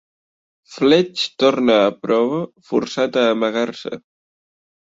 Fletch torna a Provo, forçat a amagar-se.